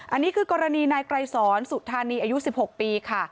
อันนี้คือกรณีนายไกรสอนสุธานีอายุ๑๖ปีค่ะ